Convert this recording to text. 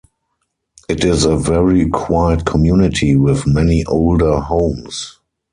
It is a very quiet community with many older homes.